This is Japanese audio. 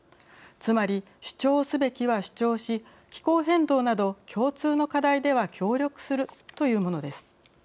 つまり、主張すべきは主張し気候変動など共通の課題では協力するというものです。